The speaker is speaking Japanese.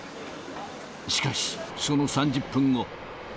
しかし、その３０分後。